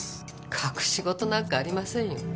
隠し事なんかありませんよ。